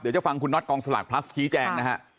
จะฟังคุณน็อตกองสลากพลัสชี้แจงนะฮะ